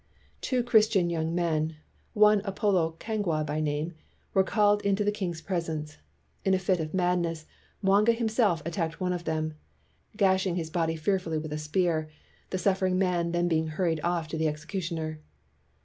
Two Christian young men, one Apolo Kagwa by name, were called into the king's presence. In a fit of madness, Mwanga himself attacked one of them, gashing his body fearfully with a spear, the suffering man then being hurried off to the execu tioner.